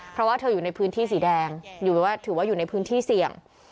เพราะว่าเธออยู่ในพื้นที่สีแดงถือว่าอยู่ในพื้นที่เสี่ยง